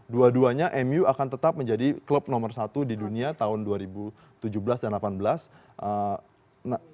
dua duanya mu akan tetap menjadi klub nomor satu di dunia tahun dua ribu tujuh belas dan dua ribu delapan belas